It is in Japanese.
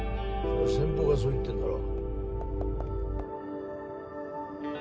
そりゃ先方がそう言ってんだろ。